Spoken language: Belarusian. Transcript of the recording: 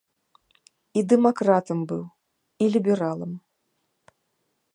І дэмакратам быў, і лібералам!